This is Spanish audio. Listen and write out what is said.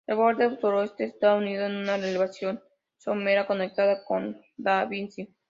El borde suroeste está unido a una elevación somera conectada con da Vinci.